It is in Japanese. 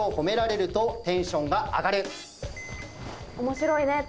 面白いね。